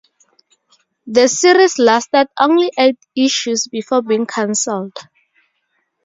The series lasted only eight issues before being canceled.